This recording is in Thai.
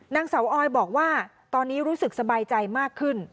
นางเสาออยบอกว่าตอนนี้รู้สึกสบายใจมากขึ้น